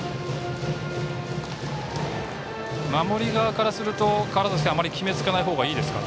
守り側からすると決め付けないほうがいいですか。